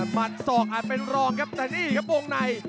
มัดศอกอาจเป็นรองครับแต่นี่ครับวงใน